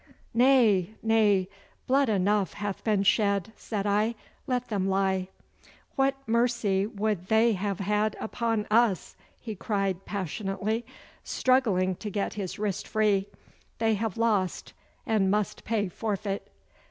'Nay, nay! Blood enough hath been shed,' said I. 'Let them lie.' 'What mercy would they have had upon us?' he cried passionately, struggling to get his wrist free. 'They have lost, and must pay forfeit.